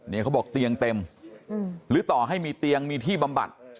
เขาบอกเตียงเต็มหรือต่อให้มีเตียงมีที่บำบัด